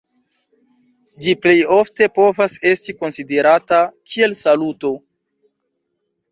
Ĝi plejofte povas esti konsiderata kiel saluto.